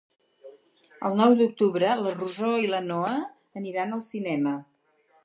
El nou d'octubre na Rosó i na Noa iran al cinema.